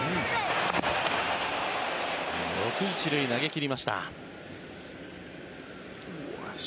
よく１塁投げ切りました。